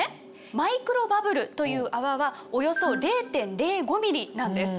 マイクロバブルという泡はおよそ０．０５ｍｍなんです。